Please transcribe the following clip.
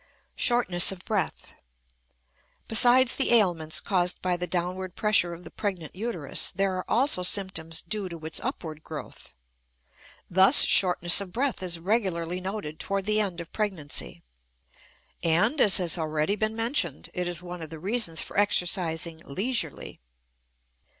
Shortness of Breath. Besides the ailments caused by the downward pressure of the pregnant uterus, there are also symptoms due to its upward growth. Thus shortness of breath is regularly noted toward the end of pregnancy, and, as has already been mentioned, it is one of the reasons for exercising leisurely.